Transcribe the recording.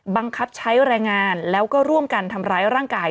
บังคับใช้แรงงานแล้วก็ร่วมกันทำร้ายร่างกาย